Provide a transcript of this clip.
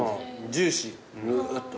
ジューシーぐっと。